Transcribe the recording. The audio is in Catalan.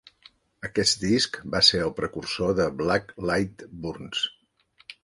Aquest disc va ser el precursor de Black Light Burns.